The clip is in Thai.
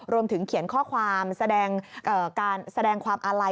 รวมถึงเขียนข้อความแสดงแสดงความอาลัย